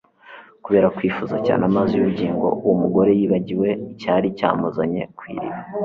Kubera kwifuza cyane amazi y'ubugingo, uwo mugore yibagiwe icyari cyamuzanye ku iriba,